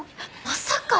まさか！